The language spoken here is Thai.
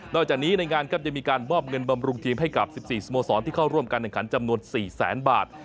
จากนี้ในงานครับยังมีการมอบเงินบำรุงทีมให้กับ๑๔สโมสรที่เข้าร่วมการแข่งขันจำนวน๔แสนบาท